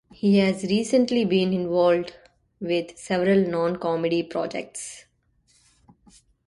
He has recently been involved with several non-comedy projects.